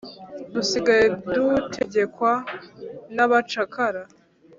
Dusigaye dutegekwa n’abacakara,